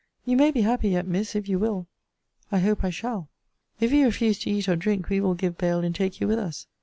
You may be happy yet, Miss, if you will. I hope I shall. If you refuse to eat or drink, we will give bail, and take you with us.